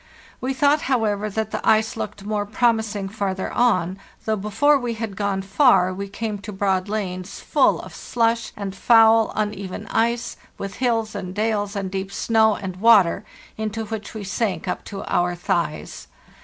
We thought, how ever, that the ice looked more promising farther on, though before we had gone far we came to broad lanes full of slush and foul, uneven ice, with hills and dales, and deep snow and water, into which we sank up to our thighs.